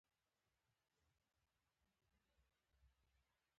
د بدن د پوستکي د نرمولو لپاره د شیدو حمام وکړئ